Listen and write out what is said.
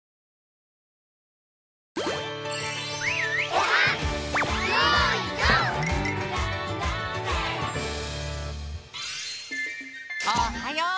おっはよう！